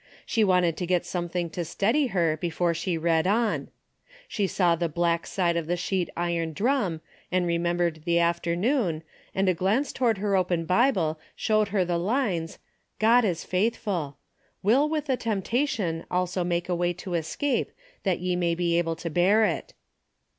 She wanted to get something to steady her before she read on. She saw the black side of the sheet iron drum and remembered the after noon, and a glance toward her open Bible showed her the lines " God is faithful ... will with the temptation also make a way to escape, that ye may be able to bear it."